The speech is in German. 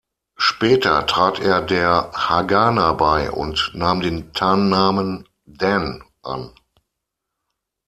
Später trat er der Hagana bei und nahm den Tarnnamen „Dan“ an.